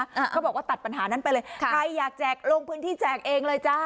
เขาบอกว่าตัดปัญหานั้นไปเลยค่ะใครอยากแจกลงพื้นที่แจกเองเลยจ้า